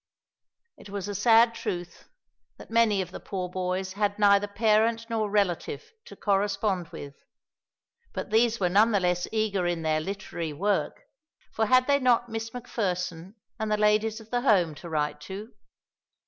It was a sad truth that many of the poor boys had neither parent nor relative to correspond with, but these were none the less eager in their literary work, for had they not Miss Macpherson and the ladies of the Home to write to?